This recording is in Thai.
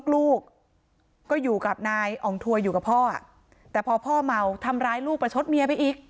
ลูกก็อยู่กับนายอ่องถวยอยู่กับพ่อแต่พอพ่อเมาทำร้ายลูกประชดเมียไปอีก